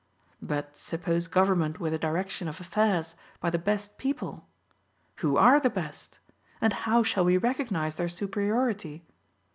But suppose government were the direction of affairs by the best people. Who are the best? And how shall we recognize their superiority.